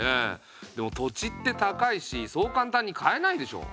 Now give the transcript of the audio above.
でも土地って高いしそう簡単に買えないでしょ。